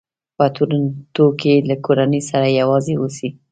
په ټورنټو کې له کورنۍ سره یو ځای اوسي.